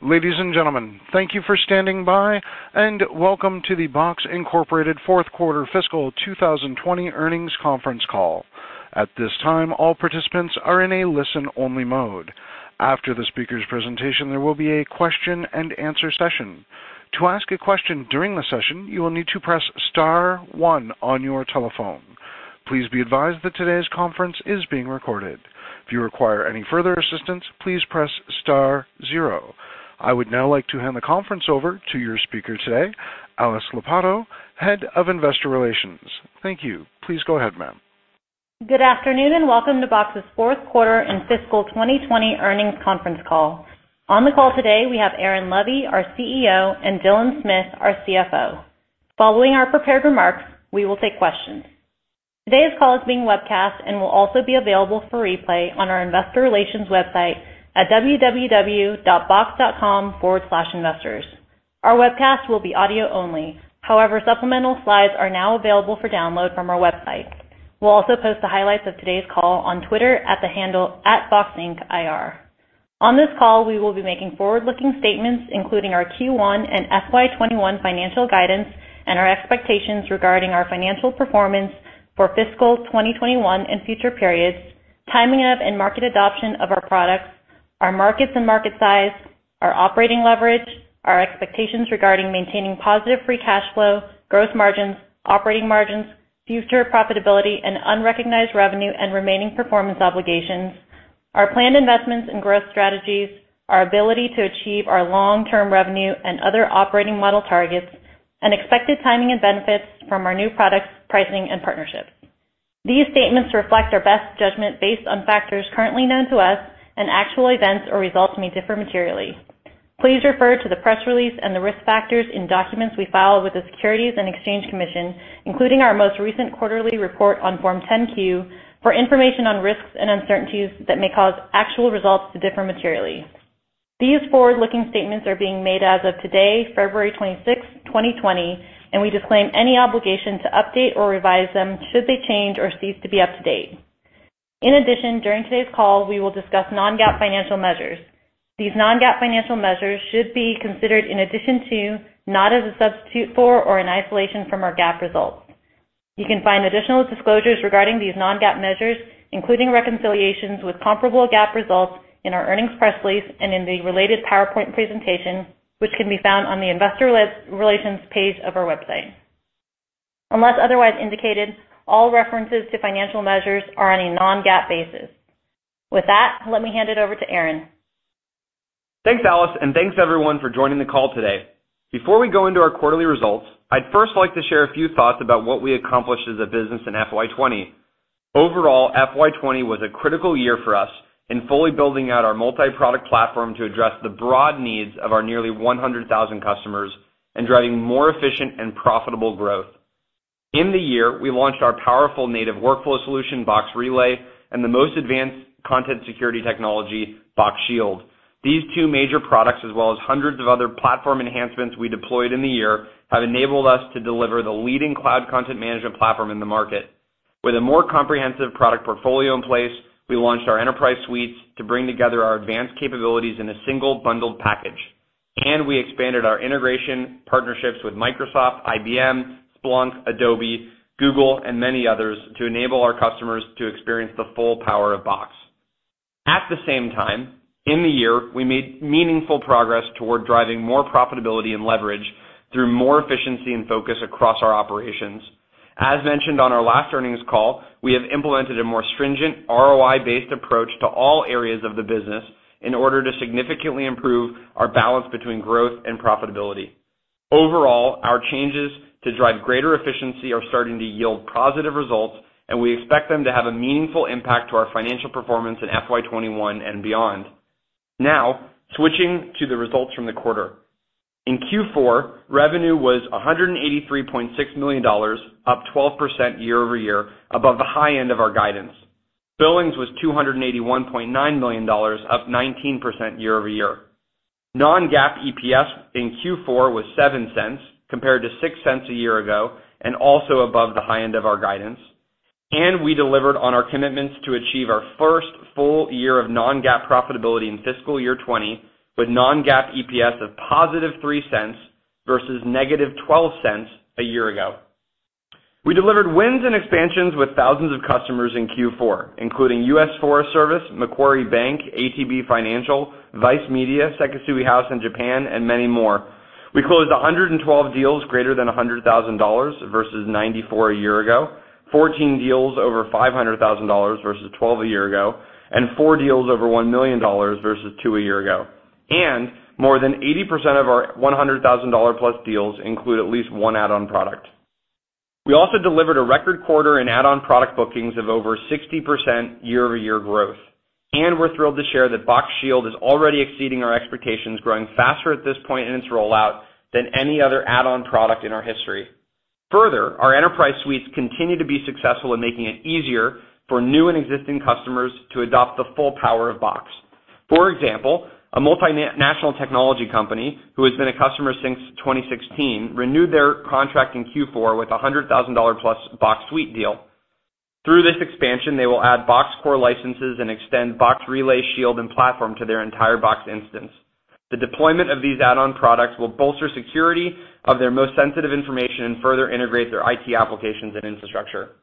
Ladies and gentlemen, thank you for standing by, and welcome to the Box, Inc. Fourth Quarter Fiscal 2020 Earnings Conference Call. At this time, all participants are in a listen-only mode. After the speaker's presentation, there will be a question-and-answer session. To ask a question during the session, you will need to press star one on your telephone. Please be advised that today's conference is being recorded. If you require any further assistance, please press star zero. I would now like to hand the conference over to your speaker today, Alice Lopatto, Head of Investor Relations. Thank you. Please go ahead, ma'am. Good afternoon, welcome to Box's fourth quarter and fiscal 2020 earnings conference call. On the call today, we have Aaron Levie, our CEO, and Dylan Smith, our CFO. Following our prepared remarks, we will take questions. Today's call is being webcast and will also be available for replay on our investor relations website at www.box.com/investors. Our webcast will be audio only. However, supplemental slides are now available for download from our website. We'll also post the highlights of today's call on Twitter at the handle @BoxIncIR. On this call, we will be making forward-looking statements, including our Q1 and FY 2021 financial guidance and our expectations regarding our financial performance for fiscal 2021 and future periods, timing of and market adoption of our products, our markets and market size, our operating leverage, our expectations regarding maintaining positive free cash flow, gross margins, operating margins, future profitability, and unrecognized revenue and remaining performance obligations, our planned investments and growth strategies, our ability to achieve our long-term revenue and other operating model targets, and expected timing and benefits from our new products, pricing, and partnerships. These statements reflect our best judgment based on factors currently known to us, and actual events or results may differ materially. Please refer to the press release and the risk factors in documents we file with the Securities and Exchange Commission, including our most recent quarterly report on Form 10-Q, for information on risks and uncertainties that may cause actual results to differ materially. These forward-looking statements are being made as of today, February 26th, 2020, and we disclaim any obligation to update or revise them should they change or cease to be up to date. In addition, during today's call, we will discuss non-GAAP financial measures. These non-GAAP financial measures should be considered in addition to, not as a substitute for or in isolation from, our GAAP results. You can find additional disclosures regarding these non-GAAP measures, including reconciliations with comparable GAAP results in our earnings press release and in the related PowerPoint presentation, which can be found on the investor relations page of our website. Unless otherwise indicated, all references to financial measures are on a non-GAAP basis. With that, let me hand it over to Aaron. Thanks, Alice, and thanks, everyone, for joining the call today. Before we go into our quarterly results, I'd first like to share a few thoughts about what we accomplished as a business in FY 2020. Overall, FY 2020 was a critical year for us in fully building out our multi-product platform to address the broad needs of our nearly 100,000 customers and driving more efficient and profitable growth. In the year, we launched our powerful native workflow solution, Box Relay, and the most advanced content security technology, Box Shield. These two major products, as well as hundreds of other platform enhancements we deployed in the year, have enabled us to deliver the leading cloud content management platform in the market. With a more comprehensive product portfolio in place, we launched our enterprise suites to bring together our advanced capabilities in a single bundled package. We expanded our integration partnerships with Microsoft, IBM, Splunk, Adobe, Google, and many others to enable our customers to experience the full power of Box. At the same time, in the year, we made meaningful progress toward driving more profitability and leverage through more efficiency and focus across our operations. As mentioned on our last earnings call, we have implemented a more stringent ROI-based approach to all areas of the business in order to significantly improve our balance between growth and profitability. Overall, our changes to drive greater efficiency are starting to yield positive results, and we expect them to have a meaningful impact to our financial performance in FY 2021 and beyond. Now, switching to the results from the quarter. In Q4, revenue was $183.6 million, up 12% year-over-year, above the high end of our guidance. Billings was $281.9 million, up 19% year-over-year. Non-GAAP EPS in Q4 was $0.07 compared to $0.06 a year ago, also above the high end of our guidance. We delivered on our commitments to achieve our first full year of non-GAAP profitability in fiscal year 2020, with non-GAAP EPS of positive $0.03 versus -$0.12 a year ago. We delivered wins and expansions with thousands of customers in Q4, including U.S. Forest Service, Macquarie Bank, ATB Financial, Vice Media, Sekisui House in Japan, and many more. We closed 112 deals greater than $100,000 versus 94 a year ago, 14 deals over $500,000 versus 12 a year ago, and four deals over $1 million versus two a year ago. More than 80% of our $100,000+ deals include at least one add-on product. We also delivered a record quarter in add-on product bookings of over 60% year-over-year growth. We're thrilled to share that Box Shield is already exceeding our expectations, growing faster at this point in its rollout than any other add-on product in our history. Further, our enterprise suites continue to be successful in making it easier for new and existing customers to adopt the full power of Box. For example, a multinational technology company, who has been a customer since 2016, renewed their contract in Q4 with a $100,000+ Box suite deal. Through this expansion, they will add Box Core licenses and extend Box Relay, Shield, and Platform to their entire Box instance. The deployment of these add-on products will bolster security of their most sensitive information and further integrate their IT applications and infrastructure.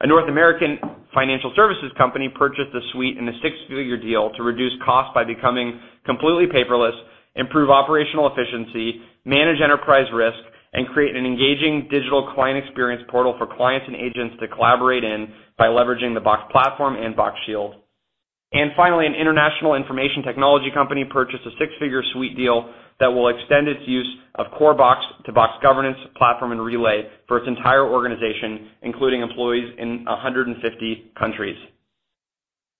A North American financial services company purchased a suite in a six-figure deal to reduce costs by becoming completely paperless, improve operational efficiency, manage enterprise risk, and create an engaging digital client experience portal for clients and agents to collaborate in by leveraging the Box Platform and Box Shield. Finally, an international information technology company purchased a six-figure suite deal that will extend its use of Box Core to Box Governance, Platform, and Relay for its entire organization, including employees in 150 countries.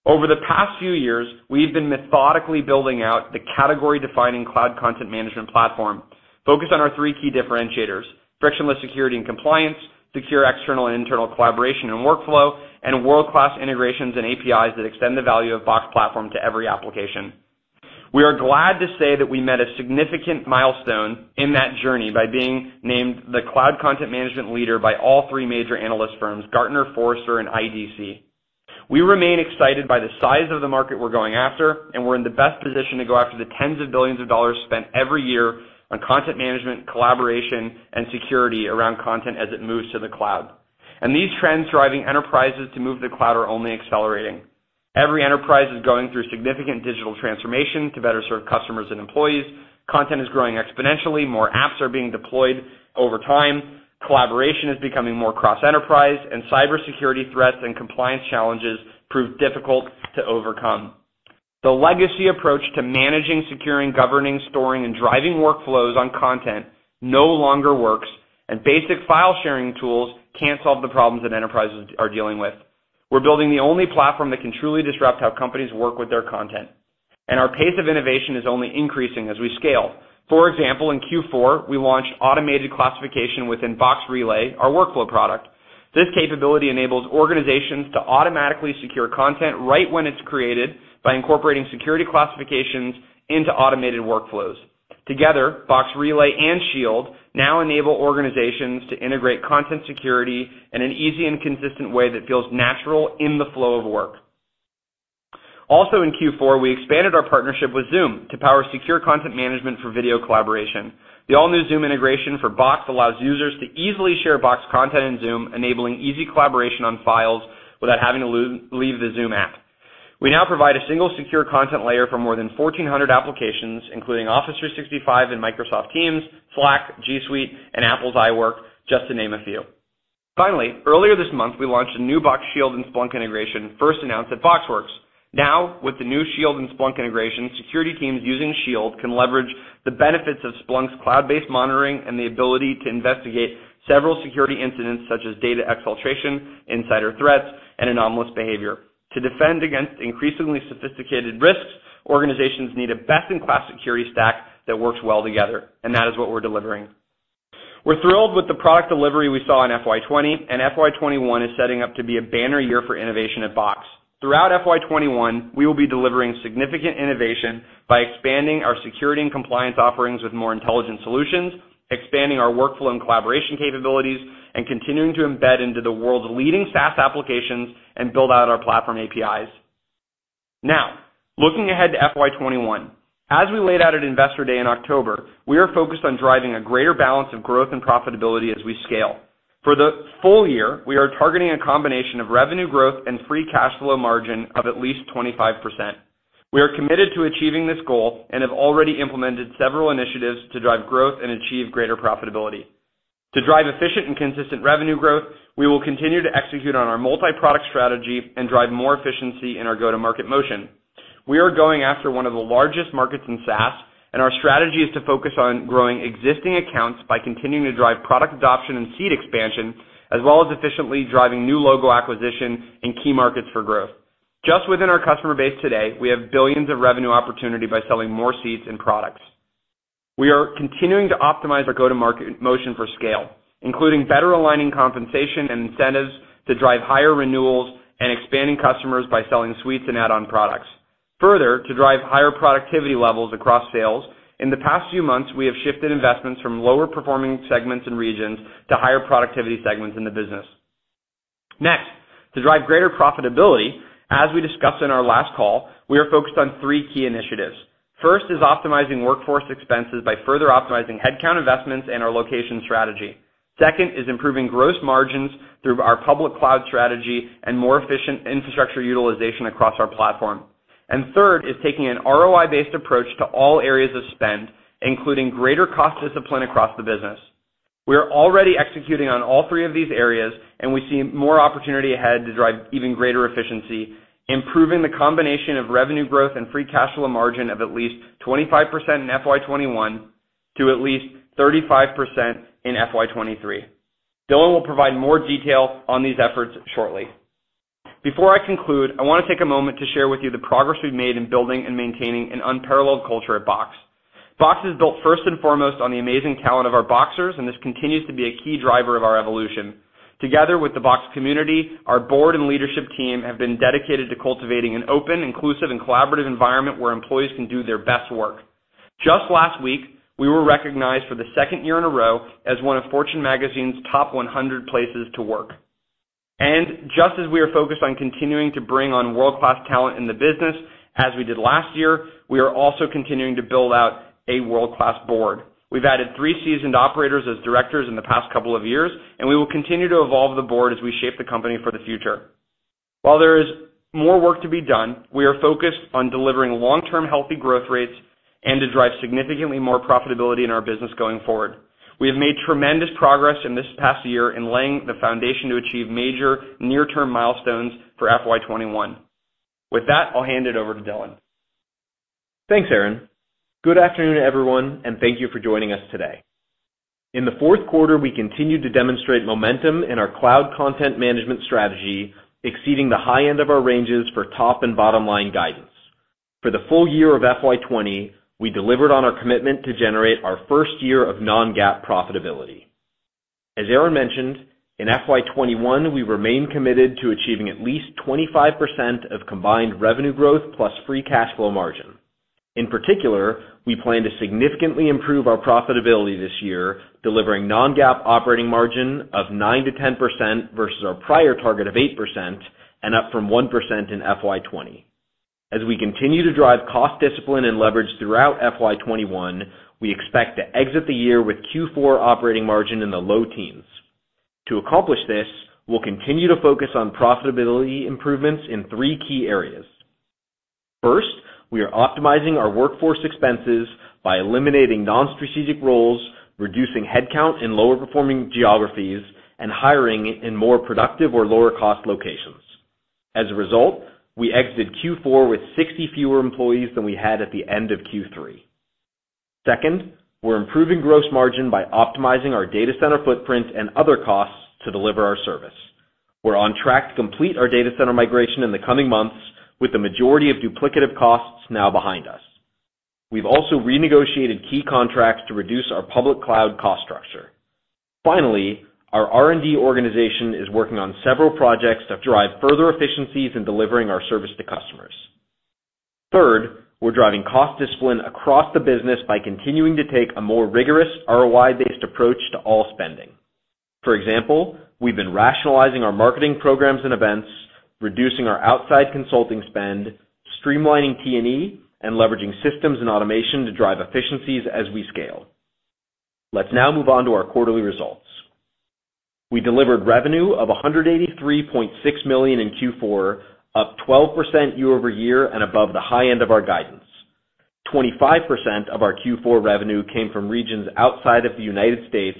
Over the past few years, we've been methodically building out the category-defining cloud content management platform, focused on our three key differentiators, frictionless security and compliance, secure external and internal collaboration and workflow, and world-class integrations and APIs that extend the value of Box Platform to every application. We are glad to say that we met a significant milestone in that journey by being named the cloud content management leader by all three major analyst firms, Gartner, Forrester, and IDC. We remain excited by the size of the market we're going after, and we're in the best position to go after the tens of billions of dollars spent every year on content management, collaboration, and security around content as it moves to the cloud. These trends driving enterprises to move to the cloud are only accelerating. Every enterprise is going through significant digital transformation to better serve customers and employees. Content is growing exponentially. More apps are being deployed over time. Collaboration is becoming more cross-enterprise, and cybersecurity threats and compliance challenges prove difficult to overcome. The legacy approach to managing, securing, governing, storing, and driving workflows on content no longer works, and basic file-sharing tools can't solve the problems that enterprises are dealing with. We're building the only platform that can truly disrupt how companies work with their content, and our pace of innovation is only increasing as we scale. For example, in Q4, we launched automated classification within Box Relay, our workflow product. This capability enables organizations to automatically secure content right when it's created by incorporating security classifications into automated workflows. Together, Box Relay and Shield now enable organizations to integrate content security in an easy and consistent way that feels natural in the flow of work. Also in Q4, we expanded our partnership with Zoom to power secure content management for video collaboration. The all-new Zoom integration for Box allows users to easily share Box content in Zoom, enabling easy collaboration on files without having to leave the Zoom app. We now provide a single secure content layer for more than 1,400 applications, including Office 365 and Microsoft Teams, Slack, Google Workspace, and Apple's iWork, just to name a few. Finally, earlier this month, we launched a new Box Shield and Splunk integration first announced at BoxWorks. Now, with the new Shield and Splunk integration, security teams using Shield can leverage the benefits of Splunk's cloud-based monitoring and the ability to investigate several security incidents, such as data exfiltration, insider threats, and anomalous behavior. To defend against increasingly sophisticated risks, organizations need a best-in-class security stack that works well together, and that is what we're delivering. We're thrilled with the product delivery we saw in FY 2020. FY 2021 is setting up to be a banner year for innovation at Box. Throughout FY 2021, we will be delivering significant innovation by expanding our security and compliance offerings with more intelligent solutions, expanding our workflow and collaboration capabilities, and continuing to embed into the world's leading SaaS applications and build out our platform APIs. Looking ahead to FY 2021. As we laid out at Investor Day in October, we are focused on driving a greater balance of growth and profitability as we scale. For the full year, we are targeting a combination of revenue growth and free cash flow margin of at least 25%. We are committed to achieving this goal and have already implemented several initiatives to drive growth and achieve greater profitability. To drive efficient and consistent revenue growth, we will continue to execute on our multi-product strategy and drive more efficiency in our go-to-market motion. We are going after one of the largest markets in SaaS, and our strategy is to focus on growing existing accounts by continuing to drive product adoption and seat expansion as well as efficiently driving new logo acquisition in key markets for growth. Just within our customer base today, we have billions of revenue opportunity by selling more seats and products. We are continuing to optimize our go-to-market motion for scale, including better aligning compensation and incentives to drive higher renewals and expanding customers by selling suites and add-on products. Further, to drive higher productivity levels across sales, in the past few months, we have shifted investments from lower-performing segments and regions to higher-productivity segments in the business. Next, to drive greater profitability, as we discussed in our last call, we are focused on three key initiatives. First is optimizing workforce expenses by further optimizing headcount investments and our location strategy. Second is improving gross margins through our public cloud strategy and more efficient infrastructure utilization across our platform. Third is taking an ROI-based approach to all areas of spend, including greater cost discipline across the business. We are already executing on all three of these areas, and we see more opportunity ahead to drive even greater efficiency, improving the combination of revenue growth and free cash flow margin of at least 25% in FY 2021 to at least 35% in FY 2023. Dylan will provide more detail on these efforts shortly. Before I conclude, I want to take a moment to share with you the progress we've made in building and maintaining an unparalleled culture at Box. Box is built first and foremost on the amazing talent of our Boxers, and this continues to be a key driver of our evolution. Together with the Box community, our board and leadership team have been dedicated to cultivating an open, inclusive, and collaborative environment where employees can do their best work. Just last week, we were recognized for the second year in a row as one of Fortune Magazine's top 100 places to work. Just as we are focused on continuing to bring on world-class talent in the business, as we did last year, we are also continuing to build out a world-class board. We've added three seasoned operators as directors in the past couple of years, and we will continue to evolve the board as we shape the company for the future. While there is more work to be done, we are focused on delivering long-term healthy growth rates and to drive significantly more profitability in our business going forward. We have made tremendous progress in this past year in laying the foundation to achieve major near-term milestones for FY 2021. With that, I'll hand it over to Dylan. Thanks, Aaron. Good afternoon, everyone, and thank you for joining us today. In the fourth quarter, we continued to demonstrate momentum in our cloud content management strategy, exceeding the high end of our ranges for top and bottom-line guidance. For the full year of FY 2020, we delivered on our commitment to generate our first year of non-GAAP profitability. As Aaron mentioned, in FY 2021, we remain committed to achieving at least 25% of combined revenue growth plus free cash flow margin. In particular, we plan to significantly improve our profitability this year, delivering non-GAAP operating margin of 9%-10% versus our prior target of 8% and up from 1% in FY 2020. As we continue to drive cost discipline and leverage throughout FY 2021, we expect to exit the year with Q4 operating margin in the low teens. To accomplish this, we'll continue to focus on profitability improvements in three key areas. First, we are optimizing our workforce expenses by eliminating non-strategic roles, reducing headcount in lower performing geographies, and hiring in more productive or lower cost locations. As a result, we exited Q4 with 60 fewer employees than we had at the end of Q3. Second, we're improving gross margin by optimizing our data center footprint and other costs to deliver our service. We're on track to complete our data center migration in the coming months with the majority of duplicative costs now behind us. We've also renegotiated key contracts to reduce our public cloud cost structure. Finally, our R&D organization is working on several projects to drive further efficiencies in delivering our service to customers. Third, we're driving cost discipline across the business by continuing to take a more rigorous ROI-based approach to all spending. For example, we've been rationalizing our marketing programs and events, reducing our outside consulting spend, streamlining T&E, and leveraging systems and automation to drive efficiencies as we scale. Let's now move on to our quarterly results. We delivered revenue of $183.6 million in Q4, up 12% year-over-year and above the high end of our guidance. 25% of our Q4 revenue came from regions outside of the United States,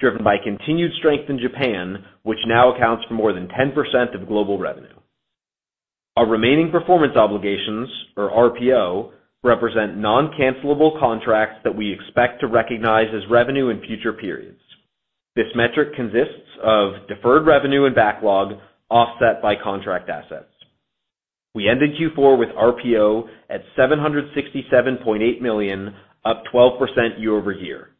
driven by continued strength in Japan, which now accounts for more than 10% of global revenue. Our remaining performance obligations, or RPO, represent non-cancellable contracts that we expect to recognize as revenue in future periods. This metric consists of deferred revenue and backlog offset by contract assets. We ended Q4 with RPO at $767.8 million, up 12% year-over-year.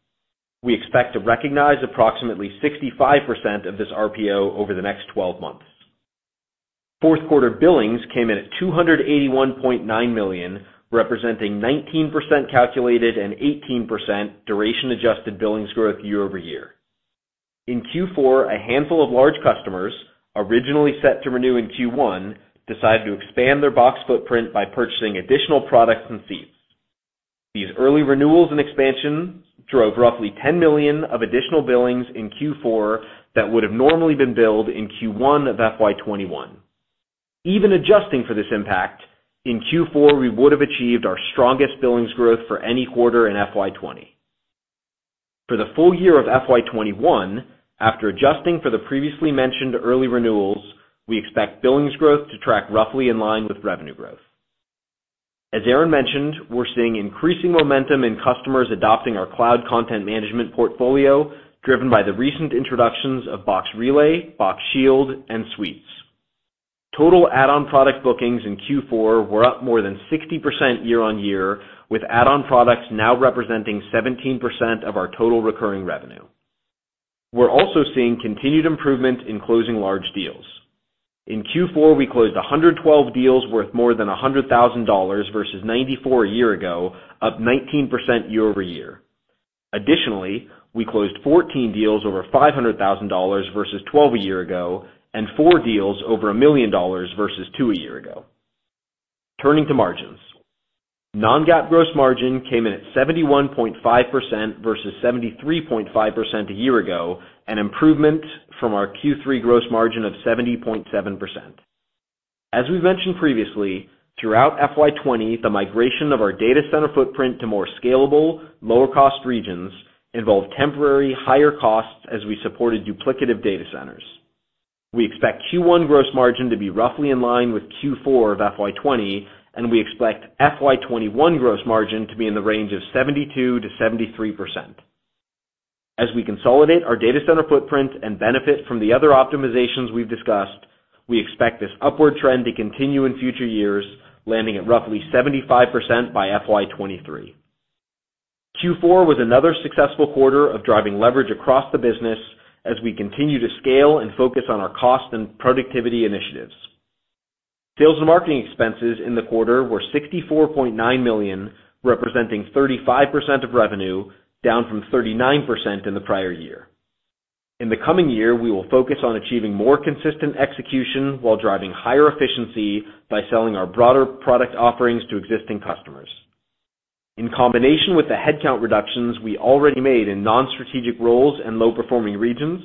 We expect to recognize approximately 65% of this RPO over the next 12 months. Fourth quarter billings came in at $281.9 million, representing 19% calculated and 18% duration-adjusted billings growth year-over-year. In Q4, a handful of large customers, originally set to renew in Q1, decided to expand their Box footprint by purchasing additional products and seats. These early renewals and expansions drove roughly $10 million of additional billings in Q4 that would have normally been billed in Q1 of FY 2021. Even adjusting for this impact, in Q4, we would have achieved our strongest billings growth for any quarter in FY 2020. For the full year of FY 2021, after adjusting for the previously mentioned early renewals, we expect billings growth to track roughly in line with revenue growth. As Aaron mentioned, we're seeing increasing momentum in customers adopting our cloud content management portfolio, driven by the recent introductions of Box Relay, Box Shield and Suites. Total add-on product bookings in Q4 were up more than 60% year-on-year, with add-on products now representing 17% of our total recurring revenue. We're also seeing continued improvement in closing large deals. In Q4, we closed 112 deals worth more than $100,000 versus 94 a year ago, up 19% year-over-year. Additionally, we closed 14 deals over $500,000 versus 12 a year ago, and four deals over a million dollars versus two a year ago. Turning to margins. Non-GAAP gross margin came in at 71.5% versus 73.5% a year ago, an improvement from our Q3 gross margin of 70.7%. As we've mentioned previously, throughout FY 2020, the migration of our data center footprint to more scalable, lower cost regions involved temporary higher costs as we supported duplicative data centers. We expect Q1 gross margin to be roughly in line with Q4 of FY 2020. We expect FY 2021 gross margin to be in the range of 72%-73%. As we consolidate our data center footprint and benefit from the other optimizations we've discussed, we expect this upward trend to continue in future years, landing at roughly 75% by FY 2023. Q4 was another successful quarter of driving leverage across the business as we continue to scale and focus on our cost and productivity initiatives. Sales and marketing expenses in the quarter were $64.9 million, representing 35% of revenue, down from 39% in the prior year. In the coming year, we will focus on achieving more consistent execution while driving higher efficiency by selling our broader product offerings to existing customers. In combination with the headcount reductions we already made in non-strategic roles and low-performing regions,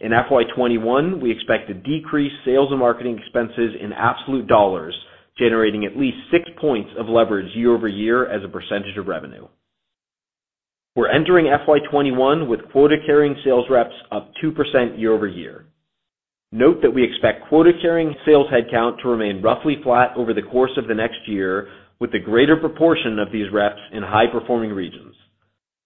in FY 2021, we expect to decrease sales and marketing expenses in absolute dollars, generating at least six points of leverage year-over-year as a percentage of revenue. We're entering FY 2021 with quota-carrying sales reps up 2% year-over-year. Note that we expect quota-carrying sales headcount to remain roughly flat over the course of the next year with a greater proportion of these reps in high-performing regions.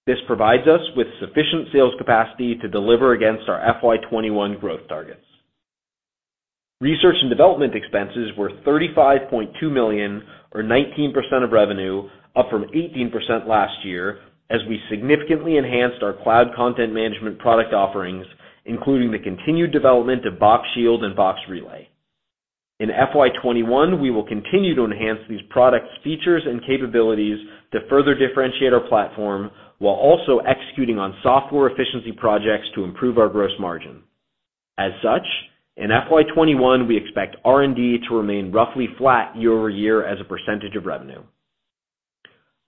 This provides us with sufficient sales capacity to deliver against our FY 2021 growth targets. Research and development expenses were $35.2 million or 19% of revenue, up from 18% last year as we significantly enhanced our cloud content management product offerings, including the continued development of Box Shield and Box Relay. In FY 2021, we will continue to enhance these products' features and capabilities to further differentiate our platform, while also executing on software efficiency projects to improve our gross margin. As such, in FY 2021, we expect R&D to remain roughly flat year-over-year as a percentage of revenue.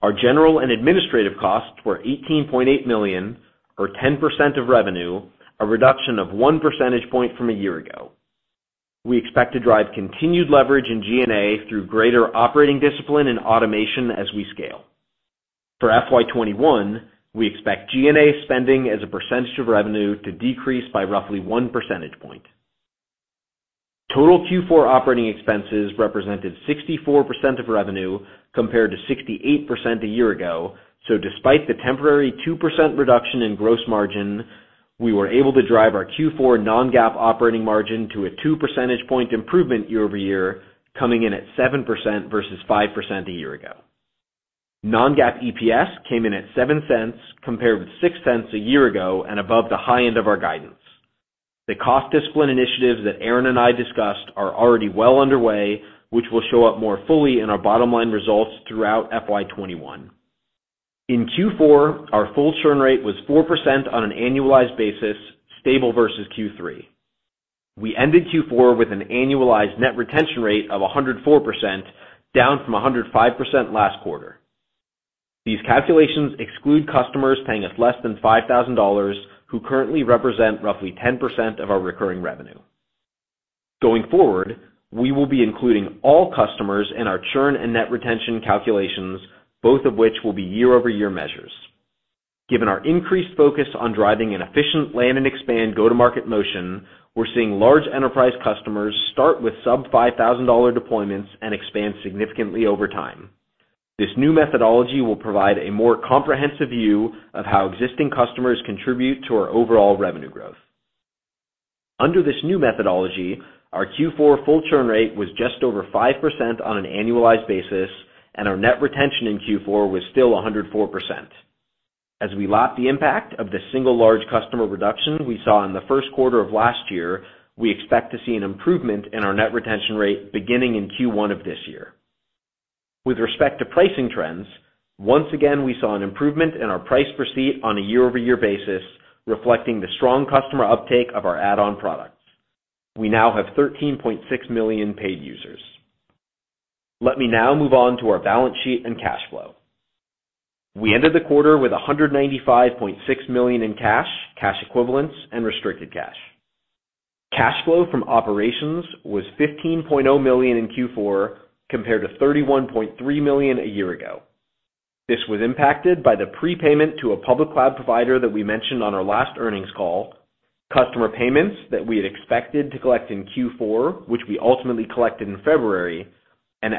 Our general and administrative costs were $18.8 million or 10% of revenue, a reduction of one percentage point from a year ago. We expect to drive continued leverage in G&A through greater operating discipline and automation as we scale. For FY 2021, we expect G&A spending as a percentage of revenue to decrease by roughly one percentage point. Total Q4 operating expenses represented 64% of revenue, compared to 68% a year ago. Despite the temporary 2% reduction in gross margin, we were able to drive our Q4 non-GAAP operating margin to a 2 percentage point improvement year-over-year, coming in at 7% versus 5% a year ago. Non-GAAP EPS came in at $0.07 compared with $0.06 a year ago and above the high end of our guidance. The cost discipline initiatives that Aaron and I discussed are already well underway, which will show up more fully in our bottom-line results throughout FY 2021. In Q4, our full churn rate was 4% on an annualized basis, stable versus Q3. We ended Q4 with an annualized net retention rate of 104%, down from 105% last quarter. These calculations exclude customers paying us less than $5,000, who currently represent roughly 10% of our recurring revenue. Going forward, we will be including all customers in our churn and net retention calculations, both of which will be year-over-year measures. Given our increased focus on driving an efficient land and expand go-to-market motion, we're seeing large enterprise customers start with sub $5,000 deployments and expand significantly over time. This new methodology will provide a more comprehensive view of how existing customers contribute to our overall revenue growth. Under this new methodology, our Q4 full churn rate was just over 5% on an annualized basis, and our net retention in Q4 was still 104%. As we lap the impact of the single large customer reduction we saw in the first quarter of last year, we expect to see an improvement in our net retention rate beginning in Q1 of this year. With respect to pricing trends, once again, we saw an improvement in our price per seat on a year-over-year basis, reflecting the strong customer uptake of our add-on products. We now have 13.6 million paid users. Let me now move on to our balance sheet and cash flow. We ended the quarter with $195.6 million in cash equivalents, and restricted cash. Cash flow from operations was $15.0 million in Q4 compared to $31.3 million a year ago. This was impacted by the prepayment to a public cloud provider that we mentioned on our last earnings call, customer payments that we had expected to collect in Q4, which we ultimately collected in February, and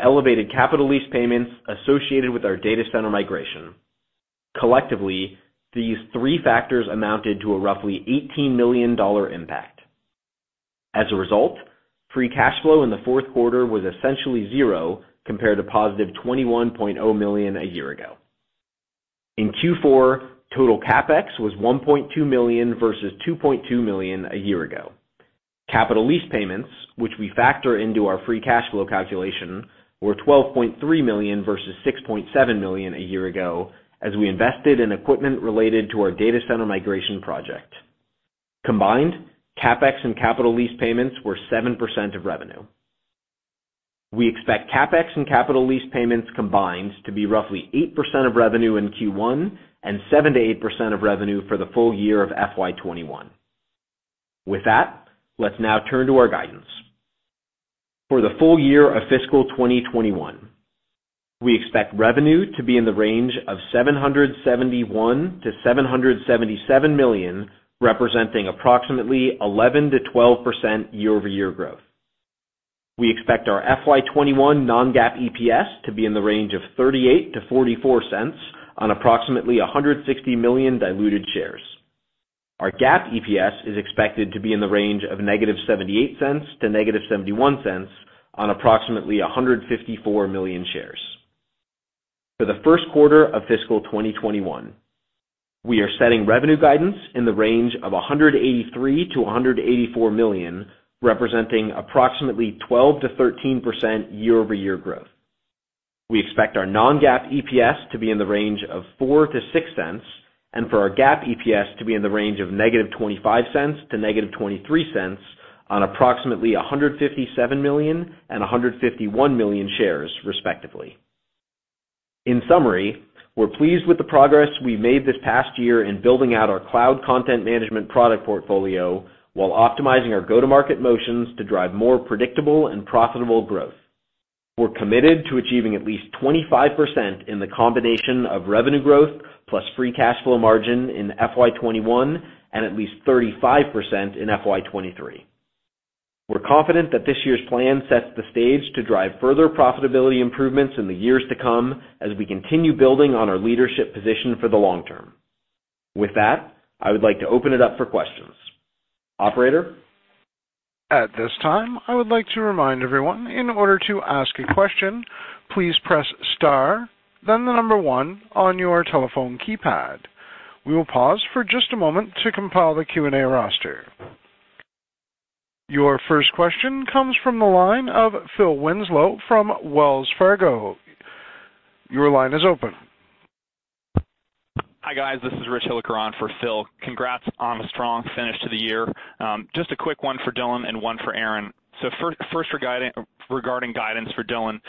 elevated capital lease payments associated with our data center migration. Collectively, these three factors amounted to a roughly $18 million impact. As a result, free cash flow in the fourth quarter was essentially zero compared to +$21.0 million a year ago. In Q4, total CapEx was $1.2 million versus $2.2 million a year ago. Capital lease payments, which we factor into our free cash flow calculation, were $12.3 million versus $6.7 million a year ago, as we invested in equipment related to our data center migration project. Combined, CapEx and capital lease payments were 7% of revenue. We expect CapEx and capital lease payments combined to be roughly 8% of revenue in Q1 and 7%-8% of revenue for the full year of FY 2021. With that, let's now turn to our guidance. For the full year of fiscal 2021, we expect revenue to be in the range of $771 million-$777 million, representing approximately 11%-12% year-over-year growth. We expect our FY 2021 non-GAAP EPS to be in the range of $0.38-$0.44 on approximately 160 million diluted shares. Our GAAP EPS is expected to be in the range of -$0.78 to -$0.71 on approximately 154 million shares. For the first quarter of fiscal 2021, we are setting revenue guidance in the range of $183 million-$184 million, representing approximately 12%-13% year-over-year growth. We expect our non-GAAP EPS to be in the range of $0.04-$0.06 and for our GAAP EPS to be in the range of -$0.25 to -$0.23 on approximately 157 million and 151 million shares, respectively. In summary, we're pleased with the progress we made this past year in building out our cloud content management product portfolio while optimizing our go-to-market motions to drive more predictable and profitable growth. We're committed to achieving at least 25% in the combination of revenue growth plus free cash flow margin in FY 2021 and at least 35% in FY 2023. We're confident that this year's plan sets the stage to drive further profitability improvements in the years to come as we continue building on our leadership position for the long term. With that, I would like to open it up for questions. Operator? At this time, I would like to remind everyone, in order to ask a question, please press star, then the number one on your telephone keypad. We will pause for just a moment to compile the Q&A roster. Your first question comes from the line of Phil Winslow from Wells Fargo. Your line is open. Hi, guys. This is Rich Hilliker on for Phil. Congrats on the strong finish to the year. Just a quick one for Dylan and one for Aaron. First, regarding guidance for Dylan.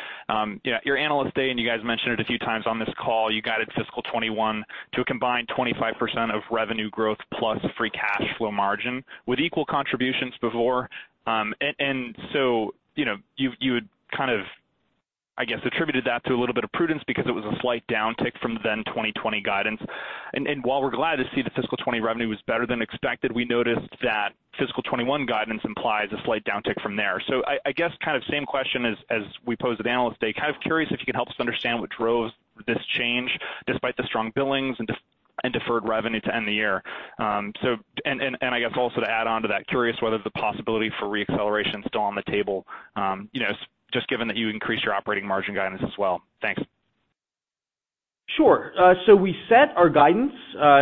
Your Analyst Day, you guys mentioned it a few times on this call, you guided fiscal 2021 to a combined 25% of revenue growth plus free cash flow margin with equal contributions before. You had, I guess, attributed that to a little bit of prudence because it was a slight downtick from then 2020 guidance. While we're glad to see the fiscal 2020 revenue was better than expected, we noticed that fiscal 2021 guidance implies a slight downtick from there. I guess, same question as we posed at Analyst Day. Curious if you could help us understand what drove this change despite the strong billings and deferred revenue to end the year. I guess also to add on to that, curious whether the possibility for re-acceleration is still on the table, just given that you increased your operating margin guidance as well? Thanks. Sure. We set our guidance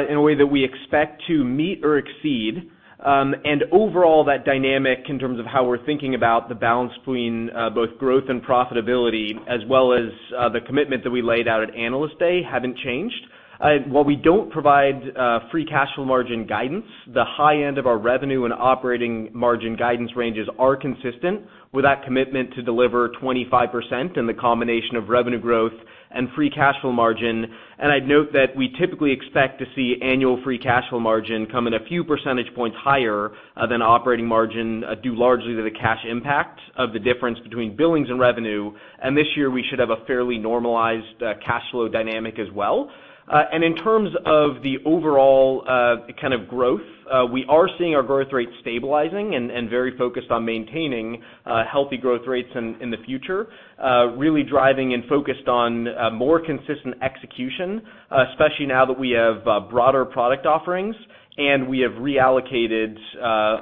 in a way that we expect to meet or exceed. Overall, that dynamic in terms of how we're thinking about the balance between both growth and profitability as well as the commitment that we laid out at Analyst Day haven't changed. While we don't provide free cash flow margin guidance, the high end of our revenue and operating margin guidance ranges are consistent with that commitment to deliver 25% in the combination of revenue growth and free cash flow margin. I'd note that we typically expect to see annual free cash flow margin come in a few percentage points higher than operating margin, due largely to the cash impact of the difference between billings and revenue. This year, we should have a fairly normalized cash flow dynamic as well. In terms of the overall growth, we are seeing our growth rate stabilizing and very focused on maintaining healthy growth rates in the future, really driving and focused on more consistent execution, especially now that we have broader product offerings, and we have reallocated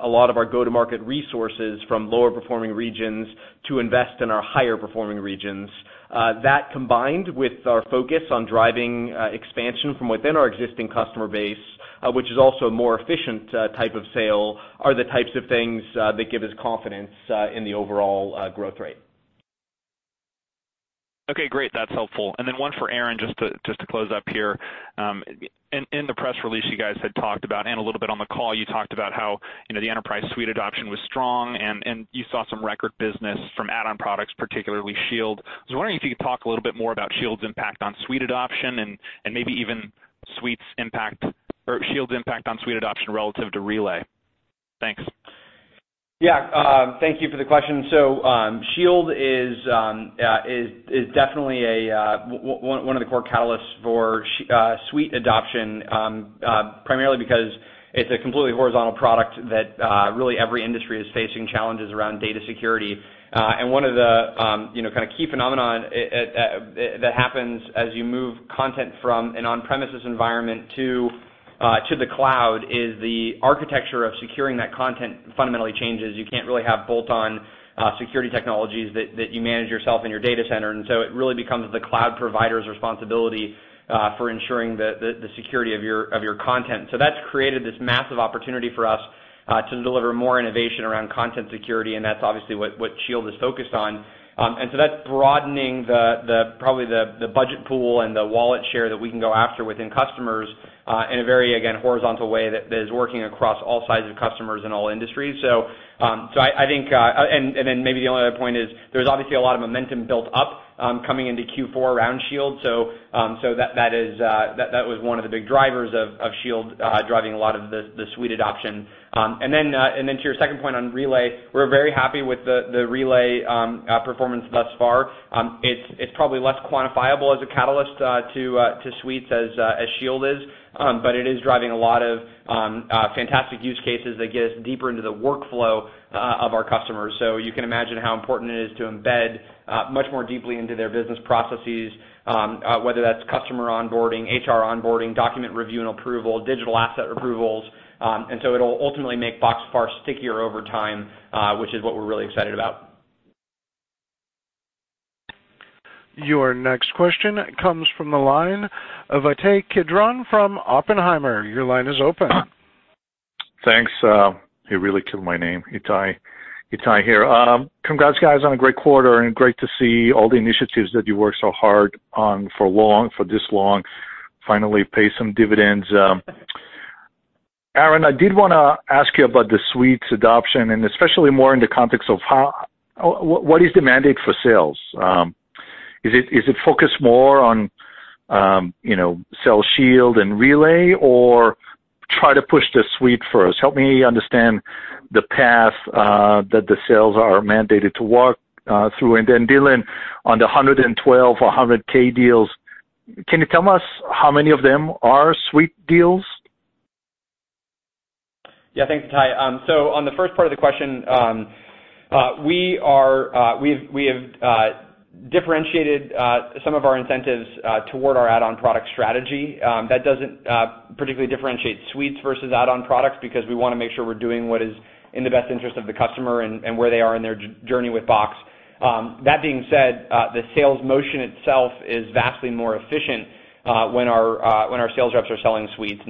a lot of our go-to-market resources from lower-performing regions to invest in our higher-performing regions. That, combined with our focus on driving expansion from within our existing customer base, which is also a more efficient type of sale, are the types of things that give us confidence in the overall growth rate. Okay, great. That's helpful. Then one for Aaron, just to close up here. In the press release you guys had talked about, and a little bit on the call, you talked about how the Enterprise Suite adoption was strong, and you saw some record business from add-on products, particularly Shield. I was wondering if you could talk a little bit more about Shield's impact on Suite adoption and maybe even Shield's impact on Suite adoption relative to Relay. Thanks. Yeah. Thank you for the question. Shield is definitely one of the core catalysts for Suite adoption, primarily because it's a completely horizontal product that really every industry is facing challenges around data security. One of the key phenomenon that happens as you move content from an on-premises environment to the cloud is the architecture of securing that content fundamentally changes. You can't really have bolt-on security technologies that you manage yourself in your data center. It really becomes the cloud provider's responsibility for ensuring the security of your content. That's created this massive opportunity for us to deliver more innovation around content security, and that's obviously what Shield is focused on. That's broadening probably the budget pool and the wallet share that we can go after within customers in a very, again, horizontal way that is working across all sizes of customers in all industries. Maybe the only other point is there's obviously a lot of momentum built up coming into Q4 around Shield. That was one of the big drivers of Shield driving a lot of the Suite adoption. To your second point on Relay, we're very happy with the Relay performance thus far. It's probably less quantifiable as a catalyst to Suites as Shield is, but it is driving a lot of fantastic use cases that get us deeper into the workflow of our customers. You can imagine how important it is to embed much more deeply into their business processes, whether that's customer onboarding, HR onboarding, document review and approval, digital asset approvals. It'll ultimately make Box far stickier over time which is what we're really excited about. Your next question comes from the line of Ittai Kidron from Oppenheimer. Your line is open. Thanks. He really killed my name. Ittai here. Congrats, guys, on a great quarter, and great to see all the initiatives that you worked so hard on for this long finally pay some dividends. Aaron, I did want to ask you about the suites adoption, and especially more in the context of what is demanded for sales. Is it focused more on Sell, Shield, and Relay, or try to push the suite first? Help me understand the path that the sales are mandated to walk through. Dylan, on the $112,000 or $100,000 deals, can you tell us how many of them are suite deals? Yeah, thanks, Ittai. On the first part of the question, we have differentiated some of our incentives toward our add-on product strategy. That doesn't particularly differentiate suites versus add-on products because we want to make sure we're doing what is in the best interest of the customer and where they are in their journey with Box. That being said, the sales motion itself is vastly more efficient when our sales reps are selling suites.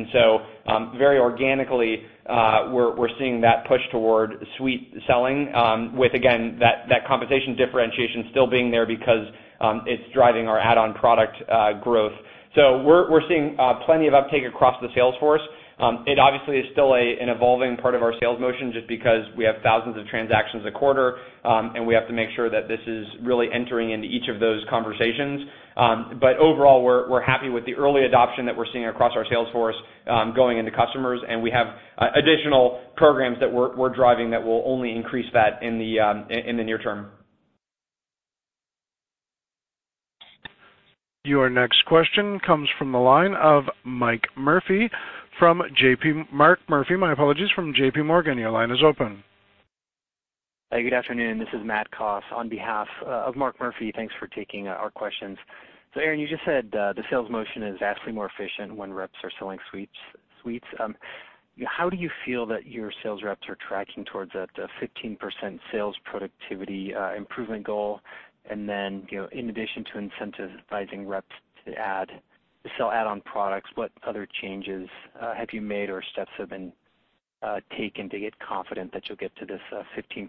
Very organically, we're seeing that push toward suite selling, with, again, that compensation differentiation still being there because it's driving our add-on product growth. We're seeing plenty of uptake across the sales force. It obviously is still an evolving part of our sales motion just because we have thousands of transactions a quarter, and we have to make sure that this is really entering into each of those conversations. Overall, we're happy with the early adoption that we're seeing across our sales force going into customers, and we have additional programs that we're driving that will only increase that in the near term. Your next question comes from the line of Mark Murphy from J.P. Morgan. Your line is open. Good afternoon. This is Matt Coss on behalf of Mark Murphy. Thanks for taking our questions. Aaron, you just said the sales motion is vastly more efficient when reps are selling suites. How do you feel that your sales reps are tracking towards that 15% sales productivity improvement goal? In addition to incentivizing reps to sell add-on products, what other changes have you made or steps have been taken to get confident that you'll get to this 15%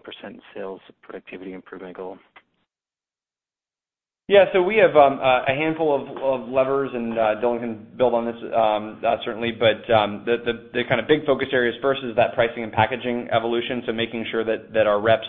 sales productivity improvement goal? We have a handful of levers, and Dylan can build on this certainly. The big focus areas first is that pricing and packaging evolution, making sure that our reps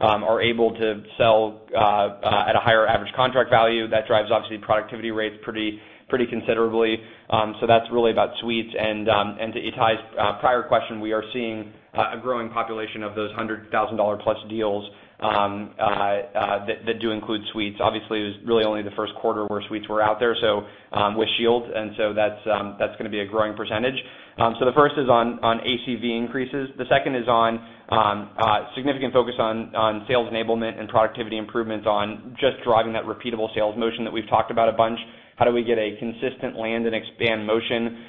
are able to sell at a higher average contract value. That drives, obviously, productivity rates pretty considerably. That's really about suites. To Ittai's prior question, we are seeing a growing population of those $100,000+ deals that do include suites. Obviously, it was really only the first quarter where suites were out there, with Shield, that's going to be a growing percentage. The first is on ACV increases. The second is on significant focus on sales enablement and productivity improvements on just driving that repeatable sales motion that we've talked about a bunch. How do we get a consistent land and expand motion,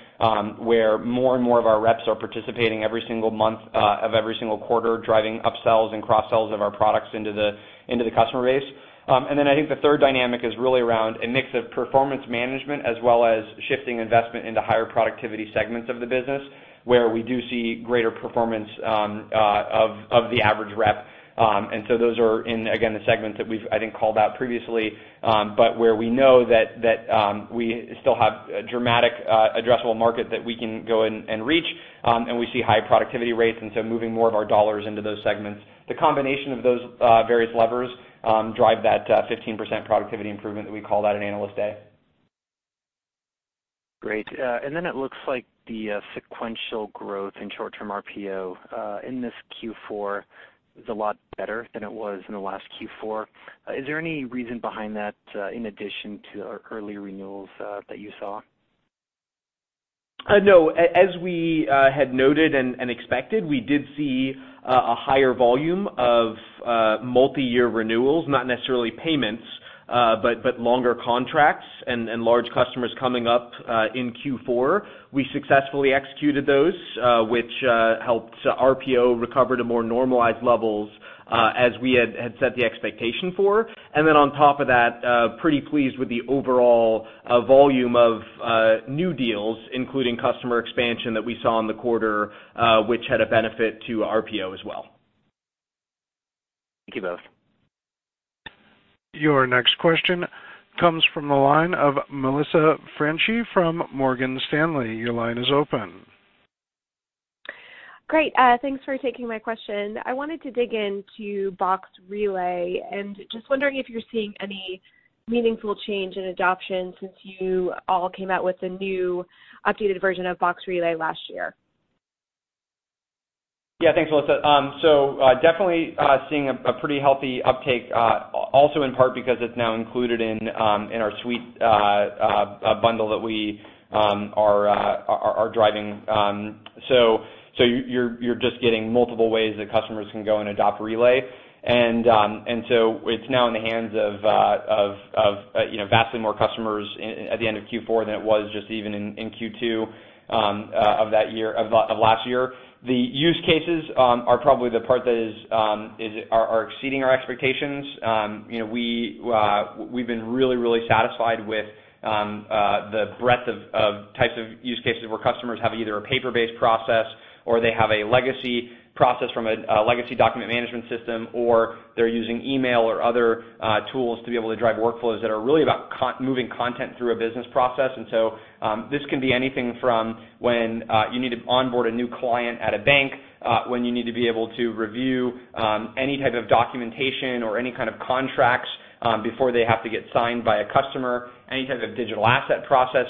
where more and more of our reps are participating every single month of every single quarter, driving upsells and cross-sells of our products into the customer base. I think the third dynamic is really around a mix of performance management as well as shifting investment into higher productivity segments of the business, where we do see greater performance of the average rep. Those are in, again, the segments that we've, I think, called out previously, but where we know that we still have a dramatic addressable market that we can go and reach, and we see high productivity rates, moving more of our dollars into those segments. The combination of those various levers drive that 15% productivity improvement that we called out at Analyst Day. Great. It looks like the sequential growth in short-term RPO in this Q4 is a lot better than it was in the last Q4. Is there any reason behind that in addition to early renewals that you saw? No. As we had noted and expected, we did see a higher volume of multiyear renewals, not necessarily payments, but longer contracts and large customers coming up in Q4. We successfully executed those, which helped RPO recover to more normalized levels as we had set the expectation for. On top of that, pretty pleased with the overall volume of new deals, including customer expansion that we saw in the quarter, which had a benefit to RPO as well. Thank you both. Your next question comes from the line of Melissa Franchi from Morgan Stanley. Your line is open. Great. Thanks for taking my question. I wanted to dig into Box Relay, and just wondering if you're seeing any meaningful change in adoption since you all came out with the new updated version of Box Relay last year. Yeah, thanks, Melissa. Definitely seeing a pretty healthy uptake, also in part because it's now included in our suite bundle that we are driving. You're just getting multiple ways that customers can go and adopt Relay. It's now in the hands of vastly more customers at the end of Q4 than it was just even in Q2 of last year. The use cases are probably the part that are exceeding our expectations. We've been really satisfied with the breadth of types of use cases where customers have either a paper-based process, or they have a legacy process from a legacy document management system, or they're using email or other tools to be able to drive workflows that are really about moving content through a business process. This can be anything from when you need to onboard a new client at a bank, when you need to be able to review any type of documentation or any kind of contracts before they have to get signed by a customer, any type of digital asset process.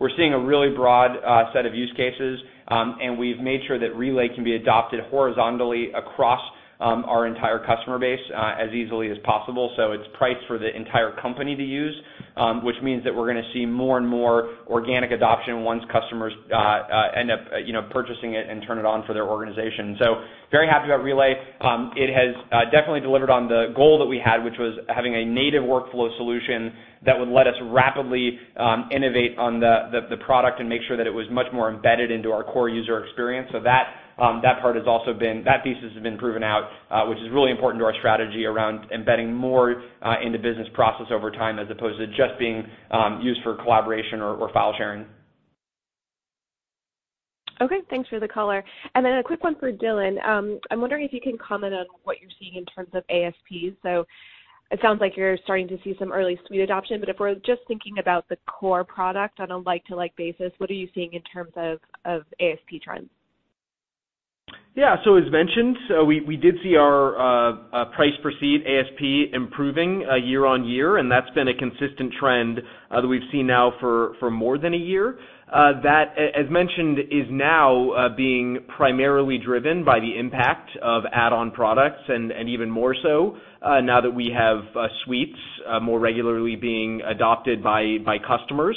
We're seeing a really broad set of use cases. We've made sure that Relay can be adopted horizontally across our entire customer base as easily as possible. It's priced for the entire company to use, which means that we're going to see more and more organic adoption once customers end up purchasing it and turn it on for their organization. Very happy about Relay. It has definitely delivered on the goal that we had, which was having a native workflow solution that would let us rapidly innovate on the product and make sure that it was much more embedded into our core user experience. That thesis has been proven out, which is really important to our strategy around embedding more into business process over time, as opposed to just being used for collaboration or file sharing. Okay. Thanks for the color. A quick one for Dylan. I'm wondering if you can comment on what you're seeing in terms of ASP. It sounds like you're starting to see some early suite adoption, but if we're just thinking about the core product on a like-to-like basis, what are you seeing in terms of ASP trends? Yeah. As mentioned, we did see our price per seat ASP improving year-over-year, and that's been a consistent trend that we've seen now for more than a year. That, as mentioned, is now being primarily driven by the impact of add-on products and even more so now that we have suites more regularly being adopted by customers.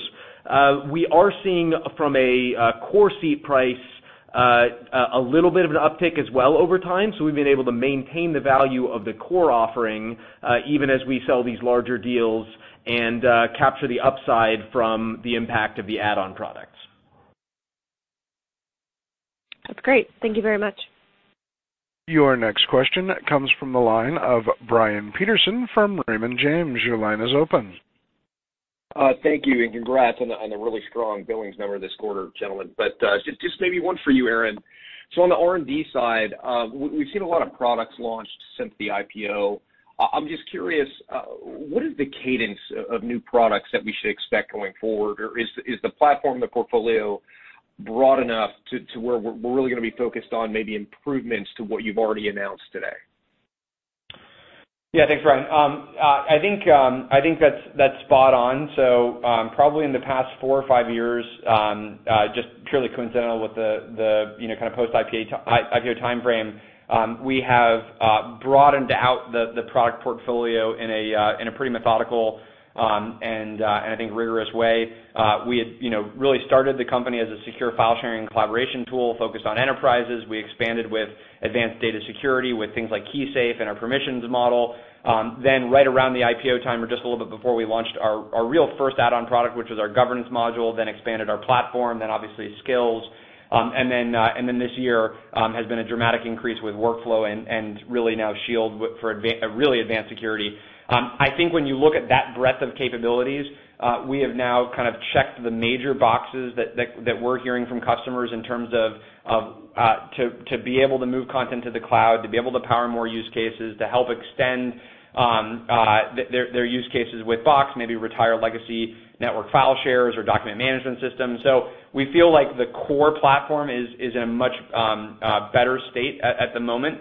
We are seeing from a core seat price a little bit of an uptick as well over time. We've been able to maintain the value of the core offering even as we sell these larger deals and capture the upside from the impact of the add-on products. That's great. Thank you very much. Your next question comes from the line of Brian Peterson from Raymond James. Your line is open. Thank you. Congrats on the really strong billings number this quarter, gentlemen. Just maybe one for you, Aaron. On the R&D side, we've seen a lot of products launched since the IPO. I'm just curious, what is the cadence of new products that we should expect going forward? Is the platform, the portfolio broad enough to where we're really going to be focused on maybe improvements to what you've already announced today? Yeah. Thanks, Brian. I think that's spot on. Probably in the past four or five years, just purely coincidental with the kind of post-IPO timeframe, we have broadened out the product portfolio in a pretty methodical and I think rigorous way. We had really started the company as a secure file sharing and collaboration tool focused on enterprises. We expanded with advanced data security with things like KeySafe and our permissions model. Right around the IPO time or just a little bit before, we launched our real first add-on product, which was our governance module, then expanded our platform, then obviously Skills. This year has been a dramatic increase with workflow and really now Shield for really advanced security. I think when you look at that breadth of capabilities, we have now kind of checked the major boxes that we're hearing from customers in terms of to be able to move content to the cloud, to be able to power more use cases, to help extend their use cases with Box, maybe retire legacy network file shares or document management systems. We feel like the core platform is in a much better state at the moment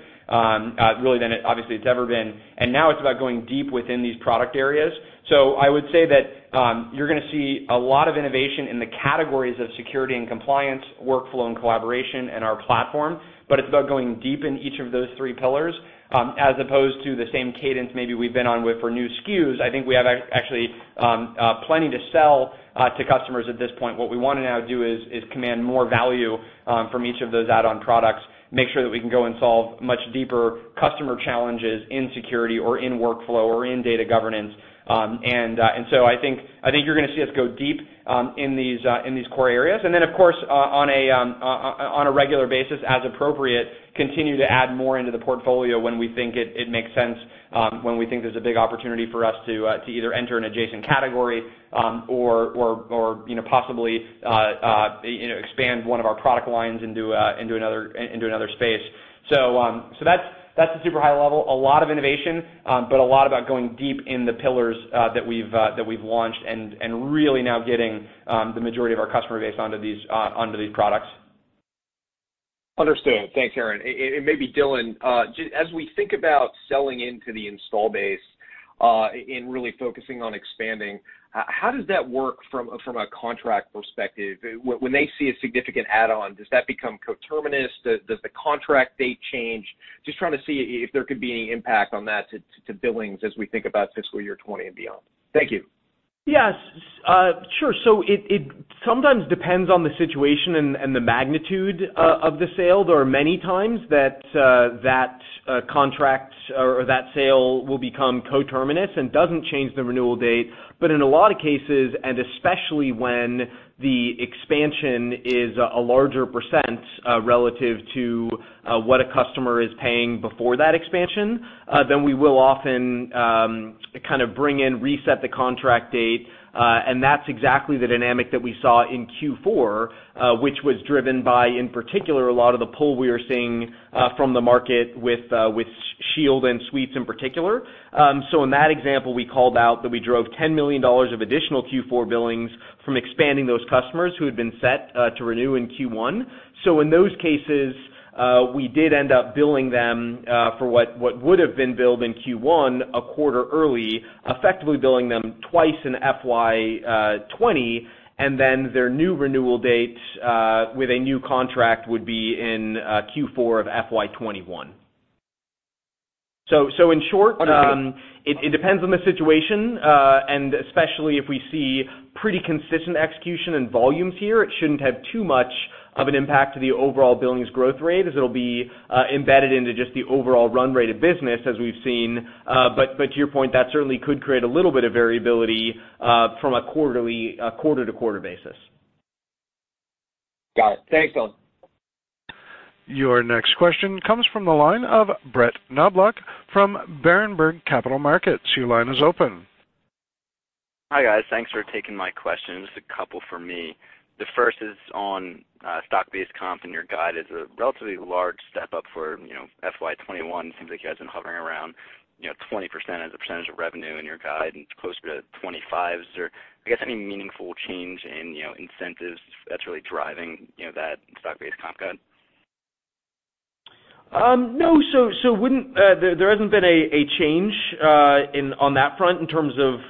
really than obviously it's ever been. Now it's about going deep within these product areas. I would say that you're going to see a lot of innovation in the categories of security and compliance, workflow and collaboration in our platform. It's about going deep in each of those three pillars as opposed to the same cadence maybe we've been on with for new SKUs. I think we have actually plenty to sell to customers at this point. What we want to now do is command more value from each of those add-on products, make sure that we can go and solve much deeper customer challenges in security or in workflow or in data governance. I think you're going to see us go deep in these core areas. Of course on a regular basis as appropriate, continue to add more into the portfolio when we think it makes sense, when we think there's a big opportunity for us to either enter an adjacent category or possibly expand one of our product lines into another space. That's the super high level. A lot of innovation, but a lot about going deep in the pillars that we've launched and really now getting the majority of our customer base onto these products. Understood. Thanks, Aaron. Maybe Dylan, as we think about selling into the install base and really focusing on expanding, how does that work from a contract perspective? When they see a significant add-on, does that become coterminous? Does the contract date change? Just trying to see if there could be any impact on that to billings as we think about fiscal year 2020 and beyond. Thank you. Yes. Sure. It sometimes depends on the situation and the magnitude of the sale. There are many times that contracts or that sale will become coterminous and doesn't change the renewal date. In a lot of cases, and especially when the expansion is a larger percent relative to what a customer is paying before that expansion, then we will often bring in, reset the contract date. That's exactly the dynamic that we saw in Q4, which was driven by, in particular, a lot of the pull we are seeing from the market with Shield and Suites in particular. In that example, we called out that we drove $10 million of additional Q4 billings from expanding those customers who had been set to renew in Q1. We did end up billing them for what would have been billed in Q1 a quarter early, effectively billing them twice in FY 2020, and then their new renewal date with a new contract would be in Q4 of FY 2021. Okay it depends on the situation, and especially if we see pretty consistent execution and volumes here, it shouldn't have too much of an impact to the overall billings growth rate, as it'll be embedded into just the overall run rate of business, as we've seen. To your point, that certainly could create a little bit of variability from a quarter-to-quarter basis. Got it. Thanks, Dylan. Your next question comes from the line of Brett Knoblauch from Berenberg Capital Markets. Your line is open. Hi, guys. Thanks for taking my questions, just a couple for me. The first is on stock-based comp. Your guide is a relatively large step-up for FY 2021. It seems like you guys been hovering around 20% as a percentage of revenue in your guide, and it's closer to 25%. Is there, I guess, any meaningful change in incentives that's really driving that stock-based comp guide? No. There hasn't been a change on that front in terms of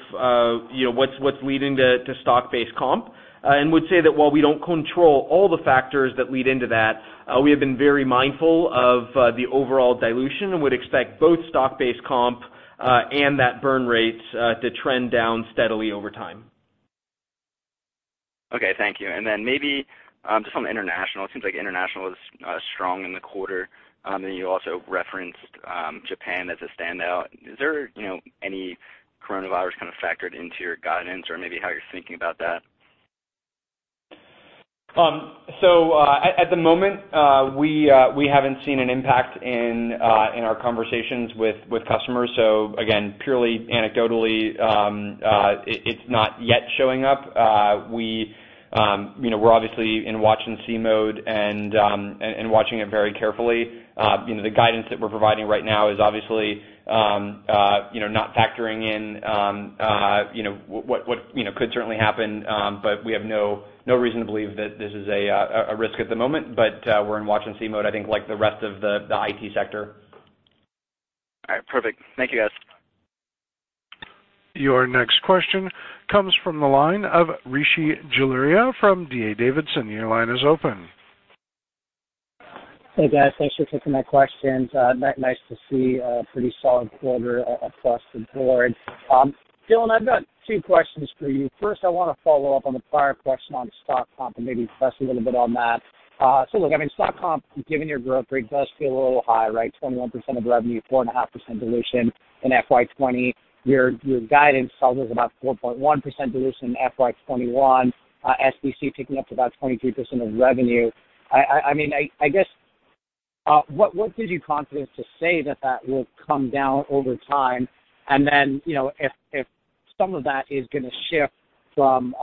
what's leading to stock-based comp. Would say that while we don't control all the factors that lead into that, we have been very mindful of the overall dilution and would expect both stock-based comp and that burn rate to trend down steadily over time. Okay, thank you. Maybe just on international, it seems like international is strong in the quarter, you also referenced Japan as a standout. Is there any coronavirus kind of factored into your guidance or maybe how you're thinking about that? At the moment, we haven't seen an impact in our conversations with customers. Again, purely anecdotally, it's not yet showing up. We're obviously in watch and see mode and watching it very carefully. The guidance that we're providing right now is obviously not factoring in what could certainly happen, but we have no reason to believe that this is a risk at the moment. We're in watch and see mode, I think, like the rest of the IT sector. All right. Perfect. Thank you, guys. Your next question comes from the line of Rishi Jaluria from D.A. Davidson. Your line is open. Hey, guys, thanks for taking my questions. Nice to see a pretty solid quarter across the board. Dylan, I've got two questions for you. First, I want to follow up on the prior question on stock comp and maybe press a little bit on that. Look, I mean, stock comp, given your growth rate, does feel a little high, right? 21% of revenue, 4.5% dilution in FY 2020. Your guidance tells us about 4.1% dilution in FY 2021, SBC ticking up to about 23% of revenue. I guess, what gives you confidence to say that that will come down over time? If some of that is going to shift from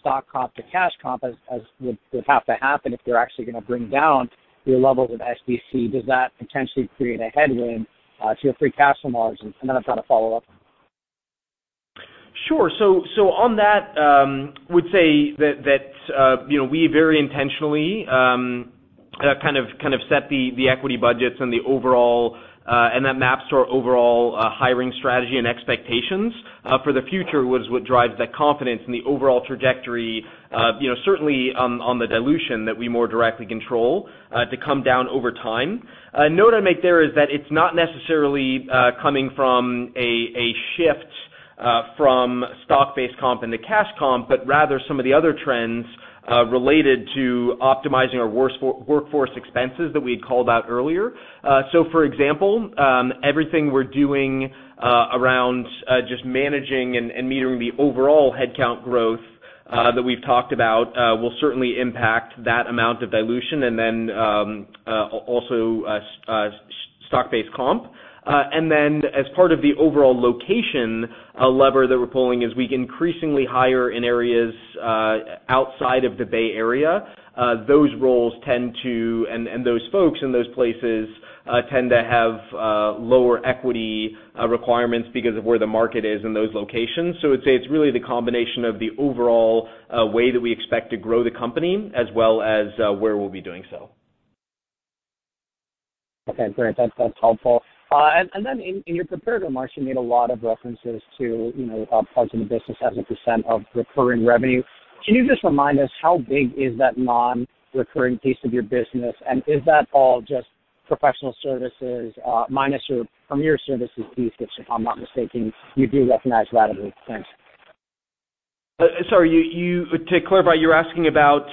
stock comp to cash comp, as would have to happen if you're actually going to bring down your levels of SBC, does that potentially create a headwind to your free cash flow margins? I've got a follow-up. Sure. On that, would say that we very intentionally kind of set the equity budgets and that maps to our overall hiring strategy and expectations for the future, was what drives the confidence in the overall trajectory. Certainly, on the dilution that we more directly control to come down over time. A note I'd make there is that it's not necessarily coming from a shift from stock-based comp into cash comp, but rather some of the other trends related to optimizing our workforce expenses that we had called out earlier. For example, everything we're doing around just managing and metering the overall headcount growth that we've talked about will certainly impact that amount of dilution, and then also stock-based comp. As part of the overall location lever that we're pulling, as we increasingly hire in areas outside of the Bay Area, those roles tend to, and those folks in those places tend to have lower equity requirements because of where the market is in those locations. I'd say it's really the combination of the overall way that we expect to grow the company, as well as where we'll be doing so. Okay, great. That's helpful. In your prepared remarks, you made a lot of references to parts of the business as a percent of recurring revenue. Can you just remind us how big is that non-recurring piece of your business, and is that all just professional services minus your Box Premier Services piece, which if I'm not mistaken, you do recognize that as? Thanks. Sorry. To clarify, you're asking about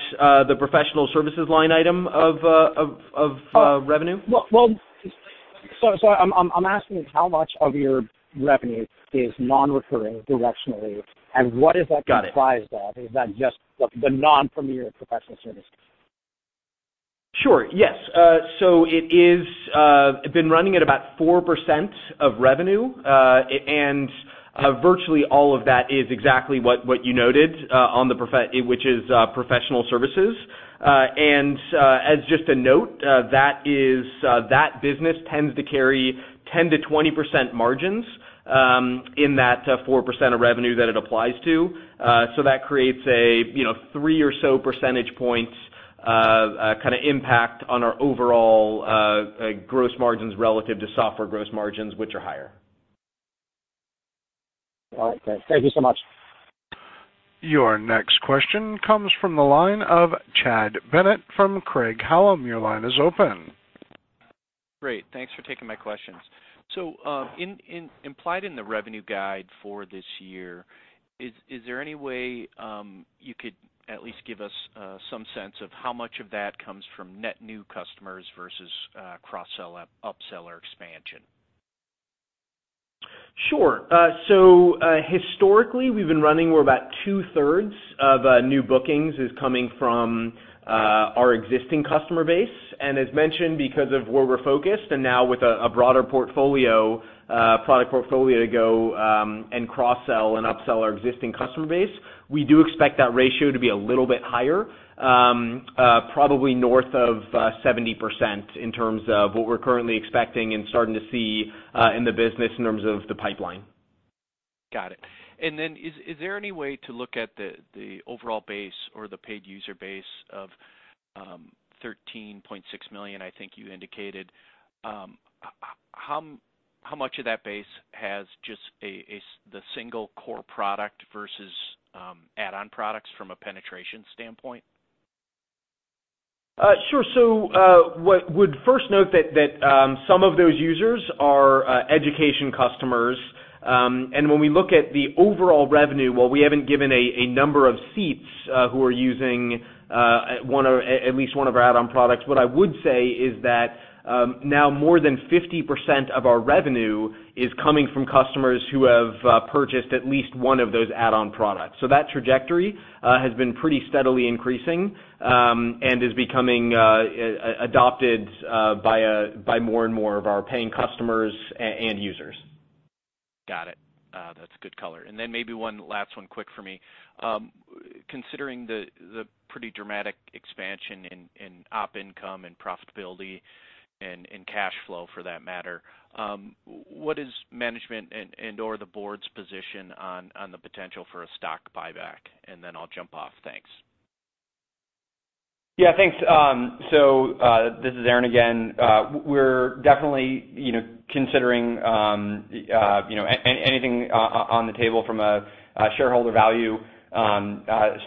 the professional services line item of revenue? Well, I'm asking how much of your revenue is non-recurring directionally, and what is that comprised of? Got it. Is that just the non-Premier professional services? Sure. Yes. It has been running at about 4% of revenue. Virtually all of that is exactly what you noted, which is professional services. As just a note, that business tends to carry 10%-20% margins in that 4% of revenue that it applies to. That creates a three or so percentage points kind of impact on our overall gross margins relative to software gross margins, which are higher. All right, great. Thank you so much. Your next question comes from the line of Chad Bennett from Craig-Hallum. Your line is open. Great. Thanks for taking my questions. Implied in the revenue guide for this year, is there any way you could at least give us some sense of how much of that comes from net new customers versus cross-sell, up-sell, or expansion? Sure. Historically, we've been running where about two-thirds of new bookings is coming from our existing customer base. As mentioned, because of where we're focused and now with a broader product portfolio to go and cross-sell and up-sell our existing customer base, we do expect that ratio to be a little bit higher, probably north of 70% in terms of what we're currently expecting and starting to see in the business in terms of the pipeline. Got it. Is there any way to look at the overall base or the paid user base of 13.6 million, I think you indicated? How much of that base has just the single core product versus add-on products from a penetration standpoint? Would first note that some of those users are education customers. When we look at the overall revenue, while we haven't given a number of seats who are using at least one of our add-on products, what I would say is that now more than 50% of our revenue is coming from customers who have purchased at least one of those add-on products. That trajectory has been pretty steadily increasing and is becoming adopted by more and more of our paying customers and users. Got it. That's a good color. Then maybe one last one quick for me. Considering the pretty dramatic expansion in op income and profitability and cash flow for that matter, what is management and/or the Board's position on the potential for a stock buyback? Then I'll jump off. Thanks. Yeah, thanks. This is Aaron again. We're definitely considering anything on the table from a shareholder value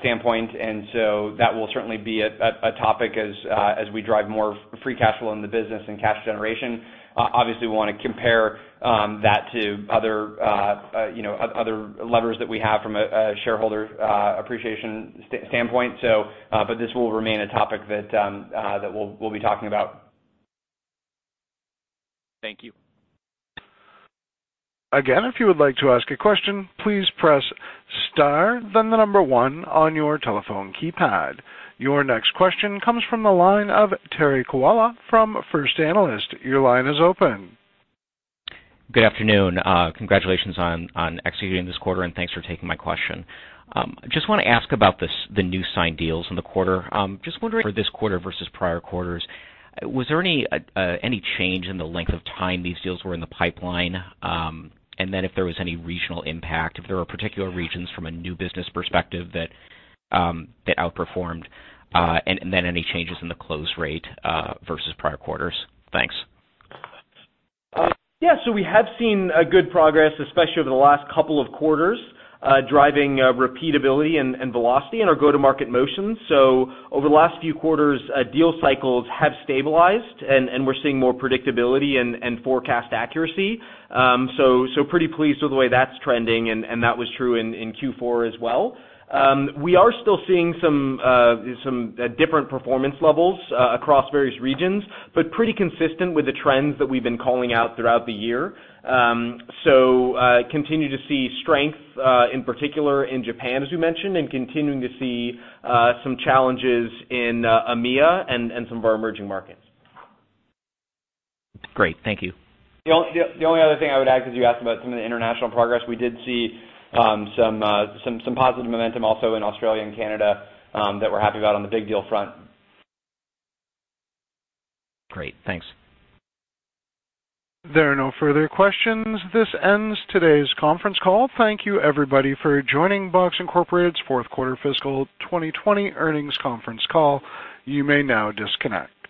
standpoint, that will certainly be a topic as we drive more free cash flow in the business and cash generation. Obviously, we want to compare that to other levers that we have from a shareholder appreciation standpoint. This will remain a topic that we'll be talking about. Thank you. Again, if you would like to ask a question, please press star then the number one on your telephone keypad. Your next question comes from the line of Terry Kiwala from First Analysis. Your line is open. Good afternoon. Congratulations on executing this quarter, and thanks for taking my question. Just want to ask about the new signed deals in the quarter. Just wondering for this quarter versus prior quarters, was there any change in the length of time these deals were in the pipeline? If there was any regional impact, if there were particular regions from a new business perspective that outperformed? Any changes in the close rate versus prior quarters? Thanks. We have seen good progress, especially over the last couple of quarters, driving repeatability and velocity in our go-to-market motions. Over the last few quarters, deal cycles have stabilized, and we're seeing more predictability and forecast accuracy. Pretty pleased with the way that's trending, and that was true in Q4 as well. We are still seeing some different performance levels across various regions, but pretty consistent with the trends that we've been calling out throughout the year. Continue to see strength, in particular in Japan, as we mentioned, and continuing to see some challenges in EMEA and some of our emerging markets. Great. Thank you. The only other thing I would add, because you asked about some of the international progress, we did see some positive momentum also in Australia and Canada that we're happy about on the big deal front. Great, thanks. There are no further questions. This ends today's conference call. Thank you everybody for joining Box Incorporated fourth quarter fiscal 2020 earnings conference call. You may now disconnect.